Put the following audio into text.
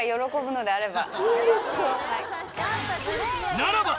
ならば！